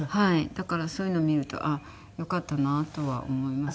だからそういうのを見るとよかったなとは思います